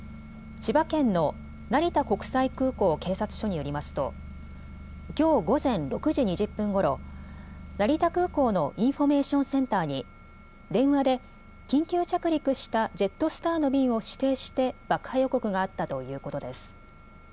千葉県の成田国際空港警察署によりますときょう午前６時２０分ごろ、成田空港のインフォメーションセンターに電話で緊急着陸したジェットスターの便を指定して爆破予告があったということです。